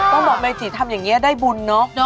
ต้องบอกเมจิทำอย่างนี้ได้บุญเนาะ